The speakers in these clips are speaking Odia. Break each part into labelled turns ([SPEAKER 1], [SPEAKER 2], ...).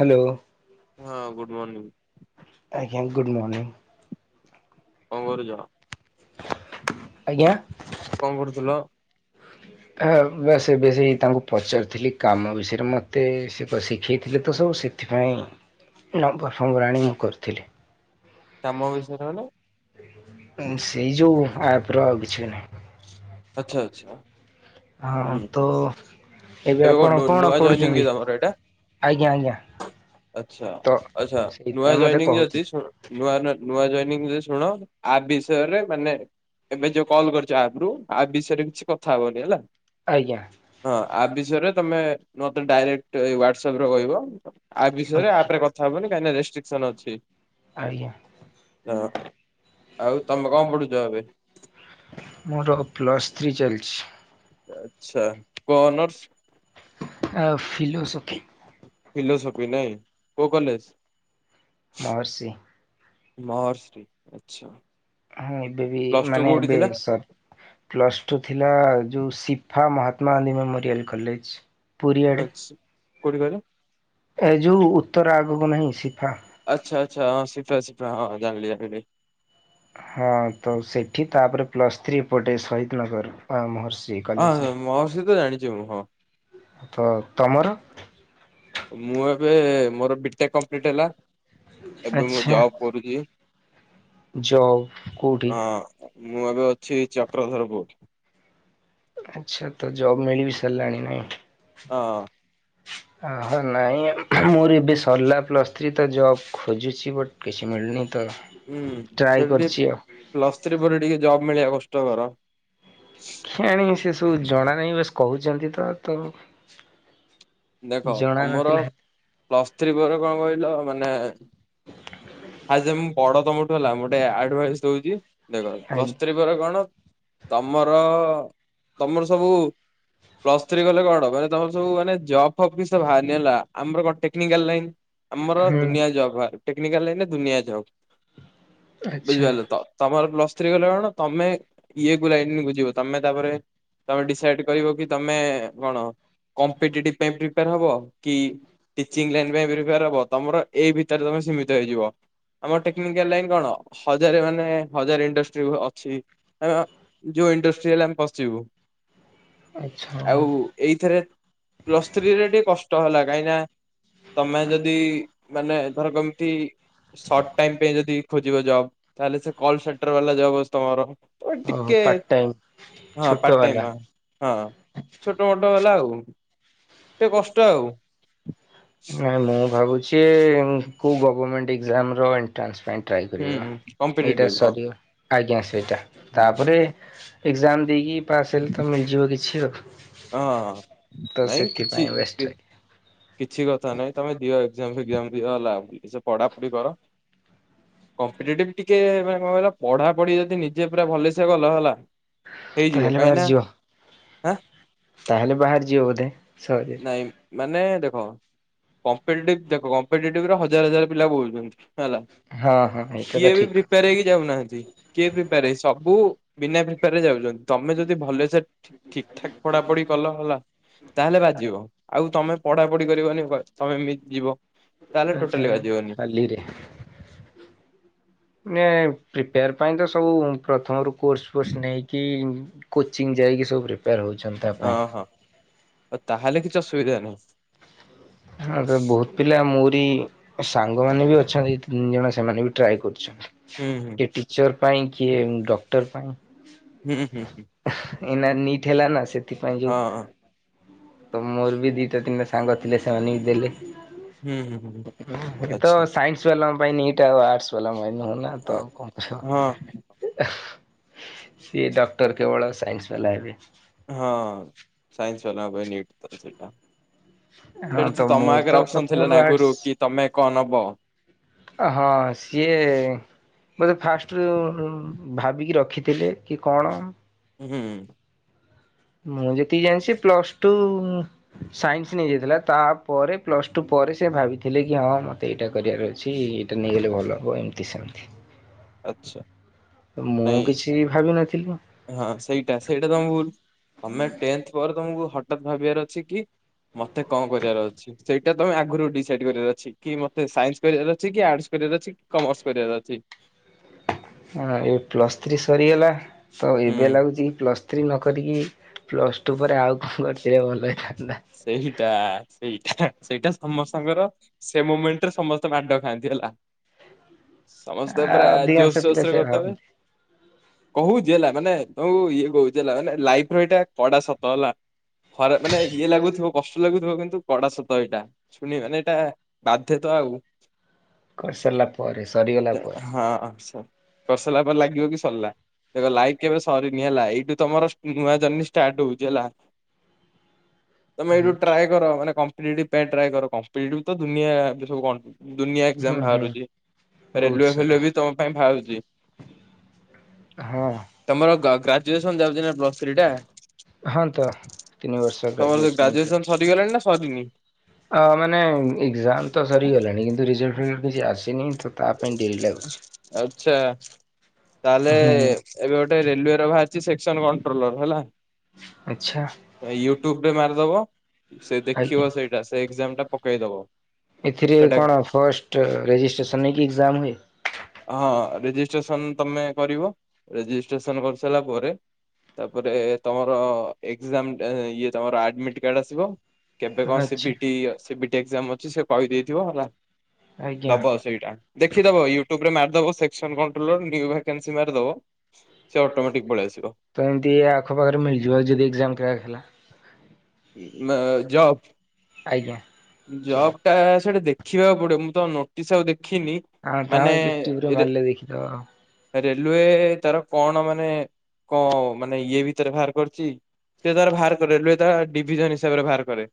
[SPEAKER 1] ହାଲୋ।
[SPEAKER 2] ହଁ ଗୁଡ଼୍ ମର୍ନିଂ।
[SPEAKER 1] ଆଜ୍ଞା ଗୁଡ଼୍ ମର୍ନିଙ୍ଗଂ।
[SPEAKER 2] କଁ କରୁଚ?
[SPEAKER 1] ଆଜ୍ଞା?
[SPEAKER 2] କଁ କରୁଥିଲ?
[SPEAKER 1] ଆ ସେ ବେସି ବେଶୀ ତାଙ୍କୁ ପଚାରୁଥିଲି କାମ ବିଷୟରେ ମୋତେ ସିଏପା ଶିଖେଇଥିଲେତ ସବୁ ସେ ସେଥିପାଇଁ ନମ୍ବରଫମ୍ବର ଆଣି ମୁଁ କରିଥିଲି।
[SPEAKER 2] କାମ ବିଷୟରେ ମାନେ?
[SPEAKER 1] ଉଁ ସେଇ ଯୋଉ ଆପର ଆଉ କିଛିବି ନାହିଁ।
[SPEAKER 2] ଆଚ୍ଛା ଆଚ୍ଛା।
[SPEAKER 1] ଆଁ ହଁ
[SPEAKER 2] ହୁଁ
[SPEAKER 1] ତୁ ଏବେ ଆପଣ
[SPEAKER 2] ନୁ
[SPEAKER 1] କଣ
[SPEAKER 2] ନୂଆ ଜଏନିଂ
[SPEAKER 1] ପଢ଼ୁଚନ୍ତି
[SPEAKER 2] କି ତମର ଏଇଟା
[SPEAKER 1] ଆଜ୍ଞା ଆଜ୍ଞା।
[SPEAKER 2] ଆଚ୍ଛା
[SPEAKER 1] ତ
[SPEAKER 2] ଆଚ୍ଛା ନୂଆ
[SPEAKER 1] ସେଇଥିପାଇଁ ମତେ
[SPEAKER 2] ଜଏନିଂ ଯଦି
[SPEAKER 1] କହୁଥିଲି
[SPEAKER 2] ଶୁଣ ନୂଆ ନୂଆ ନୂଆ ଜଅନିଂ ଯୋଦି ଶୁଣ ଆପ୍ ବିଷୟରେ ମାନେ ଏବେ ଯୋଉ କଲ୍ କରିଚ ଆପରୁ ଆବିଷୟରେ କିଛି କଥା ହବନି ହେଲା।
[SPEAKER 1] ଆଜ୍ଞା।
[SPEAKER 2] ହଁ ଆପ୍ ବିଷୟରେ ତମେ ମତେ ଡାଇରେକ୍ଟ ହ୍ଵାଟସାପରେ କହିବ। ଆପ୍ ବିଷୟରେ
[SPEAKER 1] ଓକେ
[SPEAKER 2] ଆପରେ କଥା ହବନି କାହିଁକି ରେଷ୍ଟ୍ରିକସନ ଅଛି।
[SPEAKER 1] ଆଜ୍ଞା।
[SPEAKER 2] ହ ଆଉ ତମେ କଁ ପଢ଼ୁଚ ଏବେ?
[SPEAKER 1] ମୋର ପ୍ଲସ୍ ଥ୍ରୀ ଚାଲିଚି।
[SPEAKER 2] ଆଚ୍ଛା କୋଉ କନର୍ସ?
[SPEAKER 1] ଆ ଫିଲୋସଫି।
[SPEAKER 2] ଫିଲୋସଫି ନାଇଁ କୋଉ କଲେଜ୍?
[SPEAKER 1] ମହର୍ଷି।
[SPEAKER 2] ମହର୍ଷି ଆଚ୍ଛା।
[SPEAKER 1] ହଁ ଏବେ ବି
[SPEAKER 2] ପ୍ଲସ ଟୁ
[SPEAKER 1] ମାନେ
[SPEAKER 2] କୋଉଠି
[SPEAKER 1] ଏବେ
[SPEAKER 2] ଥିଲା?
[SPEAKER 1] ସରି। ପ୍ଲସ୍ ଟୁ ଥିଲା ଯୋଉ ସିଫା ମହାତ୍ମାଗାନ୍ଧୀ ମେମୋରିଆଲ୍ କଲେଜ। ପୁରୀ ଆଡ଼େ
[SPEAKER 2] ଆଚ୍ଛା, କୋଉଠି କହିଲେ?
[SPEAKER 1] ଏ ଯୋଉ ଉତ୍ତରା ଆଗକୁ ନାହିଁ ସିଫା।
[SPEAKER 2] ଆଚ୍ଛା ଆଚ୍ଛା ହଁ ସିଫା ସିଫା ହଁ ଜାଣିଲି ଜାଣିଲି।
[SPEAKER 1] ହଁ ତ ସେଠି ତାପରେ ପ୍ଲସ୍ ଥ୍ରୀ ଏପଟେ ସହିଦନଗର ଅଁ ମହର୍ଷି
[SPEAKER 2] ଅଁ
[SPEAKER 1] କଲେଜରେ।
[SPEAKER 2] ହ ମହର୍ଷି ତ ଜାଣିଚି ମୁଁ ହଁ।
[SPEAKER 1] ତ ତମର
[SPEAKER 2] ମୁଁ ଏବେ ମୋର ବିଟେକ୍ କମ୍ପ୍ଲିଟ ହେଲା। ଏବେ ମୁଁ
[SPEAKER 1] ଆଚ୍ଛା
[SPEAKER 2] ଜବ କରୁଚି ଅଁ।
[SPEAKER 1] ଜବ୍ କୋଉଠି?
[SPEAKER 2] ମୁଁ ଏବେ ଅଛି ଚକ୍ରଧରପୁର।
[SPEAKER 1] ଆଚ୍ଛା ତ ଜବ୍ ମିଳି ବି ସାରିଲାଣି ନାଇଁ?
[SPEAKER 2] ହଁ।
[SPEAKER 1] ଆହୋ ନହିଁ ମୋର ଏବେ ସରିଲା ପ୍ଲସ୍ ଥ୍ରୀ ତ ଜବ୍ ଖୋଜୁଛି ବଟ୍ କିଛି ମିଳୁନି ତ
[SPEAKER 2] ହୁଁ
[SPEAKER 1] ଟ୍ରାଏ
[SPEAKER 2] ସେଠି ଟିକ୍
[SPEAKER 1] କରିଛି ଆଉ।
[SPEAKER 2] ପ୍ଲସ୍ ଥ୍ରୀ ପରେ ଟିକେ ଜବ ମିଳିବା କଷ୍ଟକର।
[SPEAKER 1] କେଜାଣି ସେ ସବୁ ଜଣା ନାହିଁ ବାସ୍ କହୁଚନ୍ତି ତ
[SPEAKER 2] ଦେଖ
[SPEAKER 1] ଜଣା
[SPEAKER 2] ତମର
[SPEAKER 1] ନଥିଲା
[SPEAKER 2] ପ୍ଲସ୍ ଥ୍ରୀ ପରେ କଣ କହିଲ ମାନେ ଆ ଯେ ମୁଁ ବଡ ତମଠୁ ହେଲା ମୁଁ ଗୋଟେ ଆଡଭାଇସ୍ ଦଉଚି ଦେଖ
[SPEAKER 1] ଆଇ
[SPEAKER 2] ପ୍ଲସ୍ ଥ୍ରୀ ପରେ କଣ ତମର ତମର ସବୁ ପ୍ଲସ୍ ଥ୍ରୀ କଲେ କଣ ମାନେ ତମର ସବୁ ମାନେ ଜବ୍ ଫବ୍ କିଛି ତ ବାହାରିନି ହେଲା ଆମର କଣ ଟେକ୍ନିକାଲ ଲାଇନ୍। ଆମର
[SPEAKER 1] ହୁଁ।
[SPEAKER 2] ଦୁନିଆ ଜବ୍ ବାହାରି ଟେକ୍ନିକାଲ ଲାଇନ୍ ରେ ଦୁନିଆ ଜବ୍
[SPEAKER 1] ଆଚ୍ଛା
[SPEAKER 2] ବୁଝିପାରିଲ ତ ତମର ପ୍ଲସ୍ ଥ୍ରୀ କଲେ କଣ ତମେ ଇଏ କୁ ଲାଇନ୍ କୁ ଯିବ ତମେ ତାପରେ ତମେ ଡିସାଇଡ କରିବ କି ତମେ କଣ କମ୍ପିଟିଟିଭ ପାଇଁ ପ୍ରିପୋର ହବ କି ଟିଚିଂ ଲାଇନ୍ ପାଇଁ ପ୍ରିପାର ହବ ତମର ଏଇ ଭିତରେ ତମେ ସୀମିତ ହେଇଯିବ। ଆମର ଟେକ୍ନିକାଲ ଲାଇନ କଣ ହଜାରେ ମାନେ ହଜାରେ ଇଣ୍ଡଷ୍ଟ୍ରି ଅଛି। ଅ ଯୋଉ ଇଣ୍ଡଷ୍ଟ୍ରି ହେଲେ ଆମେ ପଶିଯିବୁ।
[SPEAKER 1] ଆଚ୍ଛା
[SPEAKER 2] ଆଉ ଏଇଥିରେ ପ୍ଲସ୍ ଥ୍ରୀରେ ଟିକେ କଷ୍ଟ ହେଲା କାଇଁ ନା। ତମେ ଯଦି ମାନେ ଧର କେମିତି ସର୍ଟ ଟାଇ ପାଇଁ ଯଦି ଖୋଜିବ ଜବ୍ ତାହେଲେ ସେ କଲ୍ ସେଣ୍ଟର ବାଲା ଜବ୍ ଅଛି ତମର ଏ
[SPEAKER 1] ଓହୋ
[SPEAKER 2] ଟିକେ
[SPEAKER 1] ପାର୍ଟ ଟାଇମ୍
[SPEAKER 2] ହଁ
[SPEAKER 1] ଛୋଟ
[SPEAKER 2] ପାର୍ଟ
[SPEAKER 1] ବାଲା।
[SPEAKER 2] ଟାଇମ୍ ହଁ। ହଁ ଛୋଟ ମୋଟ ହେଲା ଆଉ। ଟିକେ କଷ୍ଟ ଆଉ।
[SPEAKER 1] ନାଇଁ ମୁଁ ଭାବୁଛି କୋଉ ଗଭରମେଣ୍ଟ ଏଜାମ ର ଏ ଏଣ୍ଟ୍ରାନ୍ସ ପାଇଁ ଟ୍ରାଏ
[SPEAKER 2] ହୁଁ
[SPEAKER 1] କରିବ ଏଇଟା
[SPEAKER 2] କମ୍ପିଟେଟିଭ ହଁ
[SPEAKER 1] ସରିବ ଆଜ୍ଞା ସେଇଟା
[SPEAKER 2] ହୁଁ
[SPEAKER 1] ତାପରେ ଏକ୍ଜାମ ଦେଇକି ପାସ୍ ହେଲେ ତ ମିଳିଯିବ କିଛି ଆଉ।
[SPEAKER 2] ହଁ
[SPEAKER 1] ତ
[SPEAKER 2] ନାଇଁ କିଛି
[SPEAKER 1] ସେଥିପାଇଁ ବେଷ୍ଟ ଟ୍ରାଏ
[SPEAKER 2] କିଛି କଥା ନାଇଁ ତମେ ଦିଅ ଏକ୍ଜାମ୍ ଫେକ୍ଜାମ୍ ଦିଅ ହେଲା ଭଲ ସେ ପଢ଼ାପଢ଼ି କର। କମ୍ପିଟିଟିଭ ଟିକେ କଣ କହିଲ ପଢ଼ାପଢ଼ି ଯଦି ନିଜେ ପୁରା ଭଲସେ କଲ ହେଲା। ହେଇଯିବ
[SPEAKER 1] ତାହେଲେ
[SPEAKER 2] କାହିଁକି
[SPEAKER 1] ବାହାରି ଯିବ
[SPEAKER 2] ନା
[SPEAKER 1] ତାହେଲେ ବାହାରି ଯିବ ବୋଧେ ସରି।
[SPEAKER 2] ନାଇଁ ମାନେ ଦେଖ କମ୍ପିଟିଟିଭ ଦେଖ କମ୍ପିଟିଟିଭ ରେ ହଜାର ହଜାର ପିଲା [unintelligible] ହେଲା
[SPEAKER 1] ହଁ ହଁ ଏଇଟା ତ
[SPEAKER 2] କିଏ ବି
[SPEAKER 1] ଠିକ
[SPEAKER 2] ପ୍ରିପାର ହେଇକି ଯାଉନାହାନ୍ତି। କିଏ ପ୍ରିପାର ହେଇ ସବୁ ବିନା ପ୍ରିପାରରେ ଯାଉଚନ୍ତି ତମେ ଯଦି ଭଲସେ ଠିକ୍ ଠାକ୍ ପଡାପଡି କଲ ହେଲା ତାହେଲେ ବାଜିବ। ଆଉ ତମେ ପଢାପଢି କରିବନି ତମେ ଏମିତି ଯିବ। ତାହେଲେ
[SPEAKER 1] ଆଛା
[SPEAKER 2] ଟୋଟାଲି ବାଜିବନି
[SPEAKER 1] ଖାଲିରେ। ଏ ପ୍ରିପେୟାର ପାଇଁ ତ ସବୁ ପ୍ରଥମରୁ। କୋର୍ସ ଫୋର୍ସ ନେଇକି କୋଚିଂ ଯାଇକି ସବୁ ପ୍ରିପେୟାର ହଉଛନ୍ତି ତ।
[SPEAKER 2] ଅ ହଁ ଆଉ ତାହେଲେ କିଛି ଅସୁବିଧା ନାହିଁ।
[SPEAKER 1] ହଁ ତ ବହୁତ ପିଲା ମୋରି ସାଙ୍ଗମାନେ ବି ଅଛନ୍ତି ତିନିଜଣ ସେମାନେ ବି ଟ୍ରାଏ କରୁଛନ୍
[SPEAKER 2] ହୁଁ ହୁଁ
[SPEAKER 1] କିଏ ଟିଚର ପାଇଁ କିଏ ଡକ୍ଟର ପାଇଁ।
[SPEAKER 2] ହୁଁ ହୁଁ ହୁଁ।
[SPEAKER 1] ଏଇନା ନିଟ୍ ହେଲା ନା ସେଥିପାଇଁ ଯୋଉ।
[SPEAKER 2] ହଁ ହଁ
[SPEAKER 1] ତ ମୋର ବି ଦିଟା ତିନିଟା ସାଙ୍ଗ ଥିଲେ ସେମାନେ ବି ଦେଲେ।
[SPEAKER 2] ହୁଁ ହୁଁ ହୁଁ
[SPEAKER 1] ଇଏ ତ
[SPEAKER 2] ଆଚ୍ଛା
[SPEAKER 1] ସାଇନ୍ସ ବାଲାଙ୍କ ପାଇଁ ଆଉ ଆଟର୍ସ ବାଲାଙ୍କ ପାଇଁ ନୁହଁ ନା। ତ କଣ କହୁସ।
[SPEAKER 2] ହଁ
[SPEAKER 1] ସିଏ ଡକ୍ଟର କେବଳ ସାଇନ୍ସ ବାଲା ହେବେ।
[SPEAKER 2] ହଁ ସାଇନ୍ସ ବାଲା ଙ୍କ ପାଇଁ ନିଟ୍ ତ ସେଇଟା।
[SPEAKER 1] ହଁ
[SPEAKER 2] ସେଇଟା ତ ତମ
[SPEAKER 1] ମୋର ତ
[SPEAKER 2] ଆଗରେ ଅପସନ
[SPEAKER 1] ପ୍ରଥମରୁ
[SPEAKER 2] ଥିଲା ନା
[SPEAKER 1] ଆର୍ଟସ
[SPEAKER 2] ଆଗରୁ କି ତମେ କଣ ନବ।
[SPEAKER 1] ଅ ହଁ ସିଏ। ମୋତେ ଫାଷ୍ଟ ରୁ ଭାବିକି ରଖିଥିଲେ, କି କଣ।
[SPEAKER 2] ଉଁ ହୁଁ।
[SPEAKER 1] ମୁ ଯେତିକି ଜାଣିଛି ପ୍ଲସ ଟୁ। ସାଇନ୍ସ ନେଇ ଯାଇଥିଲା ତାପରେ ପ୍ଲସ ଟୁ ପରେ ସେ ଭାବିଥିଲେ କି ହଁ ମତେ ଏଇଟା କରିବାର ଅଛି। ନେଇଗଲେ ଭଲ ହେବ ଏମିତି ସେମିତି।
[SPEAKER 2] ଆଛା।
[SPEAKER 1] ମୁଁ କିଛି ଭାବିିନଥିଲି।
[SPEAKER 2] ହଁ ସେଇଟା ସେଇଟା ତମ ଭୁଲ ତମେ ଟେନ୍ଥ ପରେ ତମକୁ ହଠତ୍ ଭାବିବାର ଅଛି କି। ମତେ କଣ କରିବାର ଅଛି। ସେଇଟା ତମେ ଆଗରୁ ଡିସାଇଡ କରିବାର ଅଛି କି ମତେ ସାଇନ୍ସ କରିବାର ଅଛି କି ଆର୍ଟସ କରିବାର ଅଛି କି କମର୍ସ କରିବାର ଅଛି।
[SPEAKER 1] ହଁ ଏ ପ୍ଲସ ଥ୍ରୀ ସରିଗଲା ତ
[SPEAKER 2] ହୁଁ।
[SPEAKER 1] ଏବେ ଲାଗୁଛି କି ପ୍ଲସ୍ ଥ୍ରି ନ କରିକି ପ୍ଲସ୍ ଟୁ ପରେ ଆଉ କଣ କରିଥିଲେ ଭଲ ହେଇଥାନ୍ତା।
[SPEAKER 2] ସେଇଟା ସେଇଟା ସେଇଟା ସମସ୍ତଙ୍କର। ସେ ମୁମେଣ୍ଟ ରେ ସମସ୍ତେ ମାଡ ଖାଆନ୍ତି ହେଲା। ସମସ୍ତେ
[SPEAKER 1] ଆ
[SPEAKER 2] ପୁରା ଜୋସ୍
[SPEAKER 1] ଅଧିକାଂଶ
[SPEAKER 2] ଜୋସ୍
[SPEAKER 1] ପିଲା
[SPEAKER 2] ରେ
[SPEAKER 1] ସେଇଆ
[SPEAKER 2] କରିଦେବେ।
[SPEAKER 1] ଭାବନ୍ତି।
[SPEAKER 2] କହୁଛି ହେଲା ମାନେ ତ ଇଏ କହୁଛି ହେଲା ମାନେ ଲାଇଫ ର ଏଇଟା କଡା ସତ ହେଲା। ହରେ ମାନେ ଏଇ ତୁମକୁ କଷ୍ଟ ଲାଗୁଥିବ କିନ୍ତୁ କଡା ସତ ଏଇଟା ଶୁଣିବାନି ଏଇଟା ବାଧ୍ୟ ତ ଆଉ।
[SPEAKER 1] କରିସାରିଲା ପରେ ସରିଗଲା ପରେ
[SPEAKER 2] ହଁ ସ କରିସାରିଲା ପରେ ଲାଗିବ କି ସରିଲା। ତ ଲାଇଫ କେବେ ସରିନି ହେଲା ଏଇଠୁ ତମର ନୂଆ ଜର୍ଣୀ ଷ୍ଟାର୍ଟ ହଉଛି ହେଲା। ତମେ ଏଇଠୁ ଟ୍ରାଏ
[SPEAKER 1] ହୁଁ
[SPEAKER 2] କର ମାନେ କମ୍ପିଟେଟିଭ୍ ପାଇଁ ଟ୍ରାଏ କର କମ୍ଫିଟେଟିଭ ତ ଦୁନିଆଁ ଆବେ ସବୁ କ ଦୁନିଆ। ଏକଯାମ
[SPEAKER 1] ହୁଁ
[SPEAKER 2] ବାହାରୁଛି
[SPEAKER 1] ବହୁତ
[SPEAKER 2] ରେଲୱେ
[SPEAKER 1] ସାରା
[SPEAKER 2] ଫେଲୱ ବି ତମ ପାଇଁ ବାହାରୁଛି।
[SPEAKER 1] ହଁ।
[SPEAKER 2] ତମର ଗ୍ରା ଗ୍ରାଜୁଏସନ ଯାଉଛି ନା ପ୍ଲସ୍ ଥ୍ରୀ ଟା।
[SPEAKER 1] ହଁ ତ ତିନି ବର୍ଷ ଗ୍ରାଜୁଏସନ ହେଇକି ଅଛି।
[SPEAKER 2] ଇଏ ହେଲଣି ନା ସରିନି?
[SPEAKER 1] ଅ ମାନେ ଏକ୍ଜାମ ତ ସରିଗଲାଣି କିନ୍ତୁ ରରେଜଲ୍ଟ ଫିଜଲ୍ଟ କିଛି ଆସିନି ତ ତା ପାଇଁ ଡେରି ଲାଗୁଛି।
[SPEAKER 2] ଆଛା ତାହଲେ।
[SPEAKER 1] ହୁଁ।
[SPEAKER 2] ଏବେ ଗୋଟେ ରେଲୱେ ର ବାହାରିଛି ସେକ୍ସନ କଣ୍ଟ୍ରୋଲର ହେଲା।
[SPEAKER 1] ଆଛା।
[SPEAKER 2] ୟୁଟ୍ୟୁବ୍ ରେ ମାରିଦବ ସେ
[SPEAKER 1] ଆଜ୍ଞା
[SPEAKER 2] ଦେଖିବ ସେଇଟା ସେ ଏକ୍ଜାମ ଟା ପକେଇ ଦବ।
[SPEAKER 1] ଏଥିରେ କଣ ଫଷ୍ଟ ରେଜିଷ୍ଟ୍ରେସନ୍ ହେଇକି ଏକ୍ଜାମ ହୁଏ?
[SPEAKER 2] ହଁ ରେଜିଷ୍ଟ୍ରେସନ ତମେ କରିବ ରେଜିଷ୍ଟ୍ରେସନ କରିସାରିଲା ପରେ। ତାପରେ ତମର ଏକ୍ଜାମ ଇଏ ତମର ଆଡମିଟ୍ କାର୍ଡ ଆସିବ। କେବେ କଣ
[SPEAKER 1] ଆଚ୍ଛା
[SPEAKER 2] ସିବିଟି ସିବିଟି ଏକ୍ଜାମ ଅଛି ସେ କହିଦେଇଥିବ ହେଲା
[SPEAKER 1] ଆଜ୍ଞା
[SPEAKER 2] ଦବ। ସେଇଟା ଦେଖିଦବ ୟୁୁବରେ ମାରିଦବ ସେକ୍ସନ କଣ୍ଟ୍ରୋଲର ନିୟୁଭାକାନ୍ସି ମାରିଦବ। ସେ ଅଟୋମେଟିକ ପଳେଇଆସିବ।
[SPEAKER 1] ତ ଏମତି ଆଖପାଖରେ ମିଳିଯିବ ଆଉ ଯଦି ଏକ୍ଜାମ କ୍ରାକ୍ ହେଲା?
[SPEAKER 2] ଉ ନା ଜବ୍।
[SPEAKER 1] ଆଜ୍ଞା।
[SPEAKER 2] ଜବ୍ ଟା ସେଟା ଦେଖିବାକୁ ପଡିବ ମୁଁ ତ ନୋଟିସ୍ ଆଉ ଦେଖିନି।
[SPEAKER 1] ଆ ତାହେଲେ ୟୁଟ୍ୟୁବରେ
[SPEAKER 2] ମାନେ
[SPEAKER 1] ମାରିଲେ ଦେଖିଦବ ଆଉ।
[SPEAKER 2] ରେଲୱେ ତାର କଣ ମାନେ କ ମାନେ ଇଏ ଭିତରେ ବାହାର କରିଚି? ସେ ତାର ବାହାର କରେ ରେଲୱେ ତା ଡିଭିଜନ ହିସାବରେ ବାହାର କରେ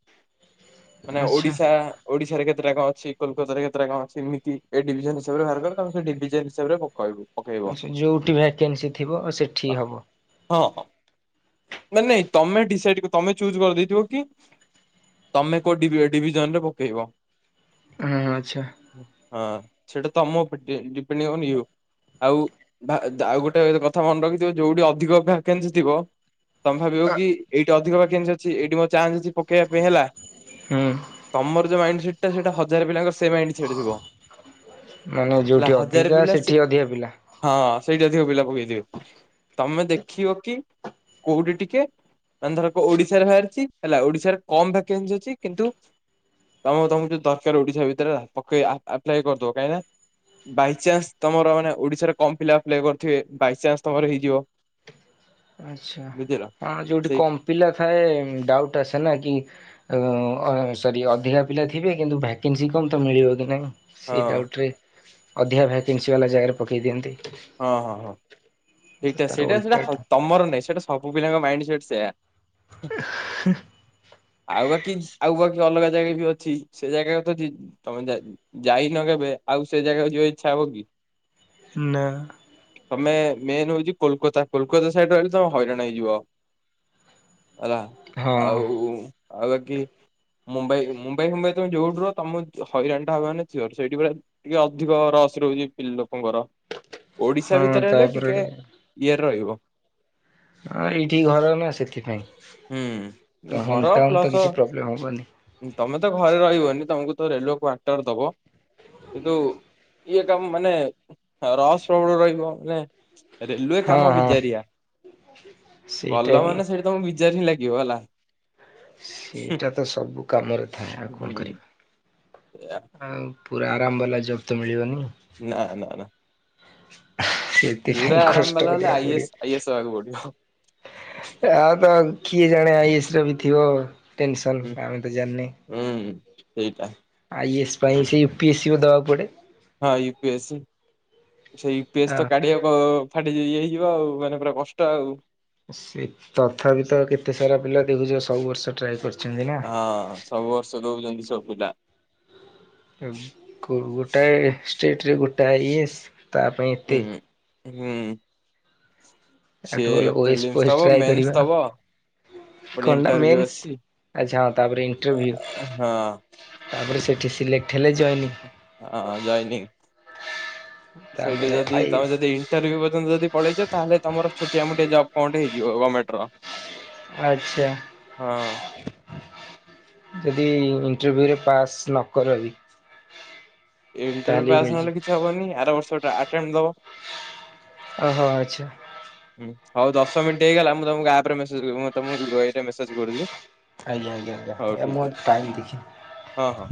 [SPEAKER 2] ମାନେ
[SPEAKER 1] ଆଚ୍ଛା
[SPEAKER 2] ଓଡିଶା। ଓଡିଶାରେ କେତେଟା କଣ ଅଛି କୋଲକତାରେ କେତୋ ଅଛି ଏମିତି ଏ ଡିଭିଜନ ହିସାବରେ ବାହାର କରେ ତ ଆମେ ସେ ଡିଭିଜନ ହିସାବରେ ପକାଇବୁ।
[SPEAKER 1] ଆଚ୍ଛା ଯୋଉଠି ଭ୍ୟାକାନ୍ସି ଥିବ ସେଠି ହବ।
[SPEAKER 2] ହଁ ଅଁ। ନାଇଁ ନାଇଁ ତମେ ଡିସାଇଡ୍ କରି ତମେ ଚୁଜ୍ କରିଦେଇଥିବ କି ତମେ। କୋ ଡିବିଜନ ଡିଭିଜନ ରେ ପକେଇବ।
[SPEAKER 1] ଉହୁଁ ଆଚ୍ଛା।
[SPEAKER 2] ହଁ ସେଟା ତମ ଉପ ଡି ଡିପେଣ୍ଡିଙ୍ଗ ଅନ ୟୁ। ଆଉ ଭା ଯା ଆଉ ଗୋଟେ କଥା ମନେ ରଖିଥିବେ ଯୋଉଠି ଅଧିକ ଭ୍ୟାକାନ୍ସି ଥିବ। ତମେ ଭାବିବ କି ଏଇଠି ଅଧିକ ଭ୍ୟାକେନ୍ସି ଅଛି ଏଇଠି ମୋ ଚାନ୍ସ ଅଛି ପକେୟା ପାଇଁ ହେଲା।
[SPEAKER 1] ହୁଁ।
[SPEAKER 2] ତମର ଯୋଉ ମାଇଣ୍ଡ ସେଟ୍ ଟା ସେଇଟା ହଜାରେ ପିଲାଙ୍କର ସେ ମାଇଣ୍ଡ ସେଟ୍ ଥିବ।
[SPEAKER 1] ମାନେ
[SPEAKER 2] ହେଲା
[SPEAKER 1] ଯୋଉଠି
[SPEAKER 2] ହଜାର
[SPEAKER 1] ଅଧିକା
[SPEAKER 2] ପିଲା ସେ
[SPEAKER 1] ସେଠି ଅଧିକା ପିଲା।
[SPEAKER 2] ହଁ ସେଇଠି ଅଧିକ ପିଲା ପକେଇଥିବେ ତମେ ଦେଖିବ କି। କୋଉଠି ଟିକେ ମାନେ ଧର କୋ ଓଡିଶାରେ ବାହାରିଛି ହେଲା ଓଡିଶାରେ କମ ଭ୍ୟାକେନ୍ସି ଅ ଚି କିନ୍ତୁ ତମ ତମକୁ ଯୋଉ ଦରକାର ଓଡିଶା ଭିତରେ ପକେଇ ଆ ଆପ୍ଲାଏ କରିଦବ କାହିଁନା। ବାଇଚାନ୍ସ ତମର ମାନେ ଓଡିଶାରେ କମ ପିଲା ଆପ୍ଲାଏ କରଥିବେ ବାଇଚାନ୍ସ ତମର ହେଇଯିବ।
[SPEAKER 1] ଆଚ୍ଛା
[SPEAKER 2] ବୁଝିଲ
[SPEAKER 1] ହଁ ଯୋଉଠି
[SPEAKER 2] ସେଇ
[SPEAKER 1] କମ୍ ପିଲା ଥାଏ ଡାଉଟ୍ ଆସେ ନା କି। [unintelligible] ଅଁ ସରି ଅଧିକା ପିଲା ଥିବେ କିନ୍ତୁ ଭ୍ୟାକେନ୍ସି କମ ତ ମିଳିବ କି ନାଇଁ।
[SPEAKER 2] ହଁ
[SPEAKER 1] ସେ ଡାଉଟରେ ଅଧିକା ଭ୍ୟାକେନ୍ସି ବାଲା ଜାଗାରେ ପକେଇ ଦିଅନ୍ତି।
[SPEAKER 2] ହଁ ହଁ ହଁ ସେଇଟା
[SPEAKER 1] ତାର
[SPEAKER 2] ସେଇଟା ସେଇଟା
[SPEAKER 1] ଓଲଟାଟା
[SPEAKER 2] ହଙ୍କ୍ ତମର ନାହିଁ ସେଇଟା ସବୁ ପିଲାଙ୍କ ମାଇଣ୍ଡ ସେଟ୍ ସେୟା। ଆଉ ବାକି ଆଉ ବାକି ଅଲଗା ଜାଗା ବି ଅଛି। ସେ ଜାଗାକୁ ତ ଯି ତମେ ଯା ଯାଇନ କେବେ ଆଉ ସେ ଜାଗାକୁ ଯିବାକୁ ଇଚ୍ଛା ହବ କି?
[SPEAKER 1] ନା।
[SPEAKER 2] ତମେ ମେନ୍ ହଉଚି କୋଲକୋତା କୋଲକାତା ସାଇଡ୍ ରହିଲେ ତମେ ହଇରାଣ ହେଇଯିବ। ହେଲା
[SPEAKER 1] ହଁ
[SPEAKER 2] ଆଉ ଆଉ ବାକି। ମୁମ୍ବାଇ ମୁମ୍ବାଇ ଫୁମ୍ବାଇ ତମେ ଯିବ ପୁର ତମେ ହଇରାଣ ଟା ହବା ମାନେ ସିଓର ସେଇଠି ପୁରା। ଟିକେ ଅଧିକ ରସ୍ ରହୁଛି ପିଲ ଲୋକଙ୍କର। ଓଡିଶା
[SPEAKER 1] ହଁ
[SPEAKER 2] ଭିତରେ ହେଲେ
[SPEAKER 1] ତାପରେ
[SPEAKER 2] ଟିକେ ଇଏରେ ରହିବ।
[SPEAKER 1] ହଁ ଏଇଠି ଘର ନା
[SPEAKER 2] ହୁଁ
[SPEAKER 1] ସେଥିପାଇଁ
[SPEAKER 2] ଘର
[SPEAKER 1] ହୋମ୍ ଟାଉନ୍
[SPEAKER 2] ପ୍ଲସ
[SPEAKER 1] ତ କିଛି ପ୍ରୋବ୍ଲେମ୍ ହବନି।
[SPEAKER 2] ତମେ ତ ଘରେ ରହିବନି ତମକୁ ତ ରେଲୱେ କ୍ଵାଟର ଦବ। କିନ୍ତୁ ଇଏ କାମ ମାନେ ରସ ପ୍ରବଳ ରହିବ ମାନେ ରେଲୁଏ
[SPEAKER 1] ହଁ
[SPEAKER 2] କାମ
[SPEAKER 1] ହଁ
[SPEAKER 2] ବିଜାରିଆ,
[SPEAKER 1] ସେଇଟା
[SPEAKER 2] ଗଲ
[SPEAKER 1] ବି
[SPEAKER 2] ମାନେ ସେ ତମ ବିଜାର ହିଁ ଲାଗିବ ହେଲା।
[SPEAKER 1] ସେଇଟା ତ ସବୁ କାମରେ ଥାଏ ଆଉ କଣ କରିବା?
[SPEAKER 2] ସେଆ।
[SPEAKER 1] ଆଉ ପୁରା ଆରାମ ବାଲା ଜବ ତ ମିଳିବନି।
[SPEAKER 2] ନା ନା ନା। ପୁରା
[SPEAKER 1] ସେଥିପାଇଁ
[SPEAKER 2] ଆରାମ
[SPEAKER 1] କଷ୍ଟ
[SPEAKER 2] ବାଲା ହେଲେ
[SPEAKER 1] କରିଆକୁ
[SPEAKER 2] ଆଇ ଏସ୍ ଆଇ ଏସ୍ ହବାକୁ ପଡିବ।
[SPEAKER 1] ପଡିଅ। ଆଉ ତ କିଏ ଜାଣେ ଆଇଏସ ର ବି ଥିବ ଟେନସନ୍
[SPEAKER 2] ହୁଁ
[SPEAKER 1] ଆମେ ତ ଜାନେ।
[SPEAKER 2] ହୁଁ ସେଇଟା।
[SPEAKER 1] ଆଇଏଏସ୍ ପାଇଁ ସେ ୟୁ ପି ଏସି ଵା ଦବାକୁ ପଡେ।
[SPEAKER 2] ହଁ ୟୁପିଏସି ସେ
[SPEAKER 1] ଆ
[SPEAKER 2] ୟୁପିଏସି ତ କାଢିଆ ଓ ଫାଟି ତ ଇଏ ହେଇଯିବ ଆଉ ମାନେ ପୁରା କଷ୍ଟ ଆଉ।
[SPEAKER 1] ସେ ତଥାପି ତ କେତେ ସାରା ପିଲା ଦେଖୁଛ ସବୁ ବର୍ଷ ଟ୍ରାଏ କରୁ
[SPEAKER 2] ହଁ ସବୁ ବର୍ଷ ଦଉଛନ୍ତି ସଵୁପିଲା।
[SPEAKER 1] ଗୋଟାଏ ଷ୍ଟେଟରେ ଗୋଟାଏ ଆଇଏସ୍ ତା ପାଇଁ ଏତେ
[SPEAKER 2] ହୁଁ। ହୁଁ।
[SPEAKER 1] ତା ଠୁ
[SPEAKER 2] ସିଏ
[SPEAKER 1] ଭଲ ଓଏସ
[SPEAKER 2] ପ୍ରିଲିମ୍ସ
[SPEAKER 1] ଫୋଏସ
[SPEAKER 2] ଦବ
[SPEAKER 1] ଟ୍ରାଏ
[SPEAKER 2] ମେନ୍ସ
[SPEAKER 1] କରିବା।
[SPEAKER 2] ଦବ ପୁଣି
[SPEAKER 1] କଣ ଟା
[SPEAKER 2] ଇଣ୍ଟରଭ୍ୟୁ
[SPEAKER 1] ମେନ୍ସ
[SPEAKER 2] ଅଛି।
[SPEAKER 1] ଆଛା ହଁ ତାପରେ ଇଣ୍ଟରଭି୍ୟୁ।
[SPEAKER 2] ହଁ
[SPEAKER 1] ତାପରେ ସେଠି ସିଲେକ୍ଟ ହେଲେ ଜଏନିଁ।
[SPEAKER 2] ହଁ ଜଏନିଁ, ସେଠି
[SPEAKER 1] ତାପରେ
[SPEAKER 2] ଯଦି
[SPEAKER 1] ଆଇ
[SPEAKER 2] ତମେ
[SPEAKER 1] ଏସ୍।
[SPEAKER 2] ଯଦି ଇଣ୍ଟରଭିଉ ପର୍ଯ୍ୟନ୍ତ ଯଦି ପଳେଇଛ ତାହେଲେ ତମର ଛୋଟିଆ ମୋଟିଆ ଜବ କଣଟେ ହେଇଯିବ ଗର୍ମେଣ୍ଟର।
[SPEAKER 1] ଆଛା। ଯଦି ଇଣ୍ଟରଭ୍ୟୁରେ ପାସ୍ ନ କର ବି
[SPEAKER 2] ଏ ଇଣ୍ଟରଭିଉ
[SPEAKER 1] ତାହେଲେ ବି
[SPEAKER 2] ପାସ୍ ନ
[SPEAKER 1] ମିଳିଯିବ।
[SPEAKER 2] ହେଲେ କିଛି ହବନି ଆର ବର୍ଷଟା ଅଟେଏମ୍ଟ ଦବ।
[SPEAKER 1] ଓହୋ ଆଛା।
[SPEAKER 2] ହୁଁ ହଉ ଦଶ ମିନିଟ୍ ହେଇଗଲା ମୁଁ ତମକୁ ଆଉଥରେ ମେସେଜ କର ମୁଁ ତମକୁ ଗଇରେ ଏଇଟା ମେସେଜ୍ କରୁଛି।
[SPEAKER 1] ଆଜ୍ଞା ଆଜ୍ଞା ଆଜ୍ଞା
[SPEAKER 2] ହଉ
[SPEAKER 1] ଆଜ୍ଞା
[SPEAKER 2] ଠିକ
[SPEAKER 1] ମୋ
[SPEAKER 2] ଅଛି
[SPEAKER 1] ଟାଇମ ଦେଖିନି।
[SPEAKER 2] ହଁ ହଁ।